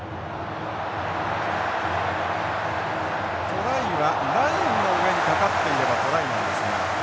トライはラインの上にかかっていればトライなんですが。